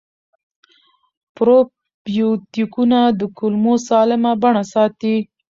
پروبیوتیکونه د کولمو سالمه بڼه ساتي.